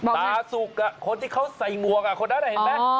ตาสุกคนที่เขาใส่หมวกคนนั้นเห็นไหม